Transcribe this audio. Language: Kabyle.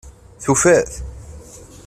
Tufa-t?